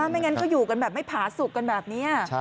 ไม่งั้นก็อยู่กันแบบไม่ผาสุขกันแบบนี้